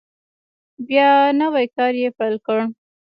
بیا نوی کار یې پیل کړ.